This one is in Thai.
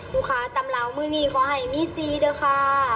ลูกค้าตำราวมือนี้ขอให้มีซีด้วยค่ะ